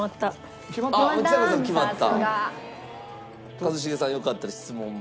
一茂さんよかったら質問も。